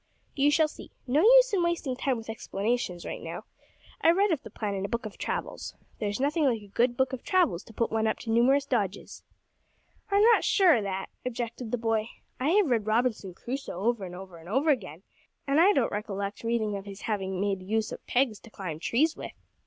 "You shall see. No use in wasting time with explanations just now. I read of the plan in a book of travels. There's nothing like a good book of travels to put one up to numerous dodges." "I'm not so sure o' that," objected the boy. "I have read Robinson Crusoe over and over, and over again, and I don't recollect reading of his having made use of pegs to climb trees with."